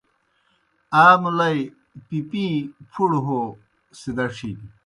آ مُلَئی پِپِیں پُھڑوْ ہو سِدَڇِھن۔